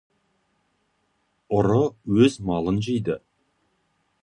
ұры өз малын жейді.